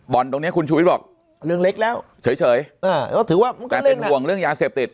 บอนตรงเนี่ยคุณชุวิตบอกเรื่องเล็กแล้วเฉยแต่เป็นห่วงเรื่องยาเสพติด